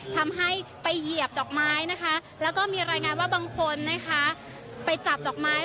ทำให้ไปเยียบดอกไม้และมีรายงานว่าบางคนไปจับดอกไม้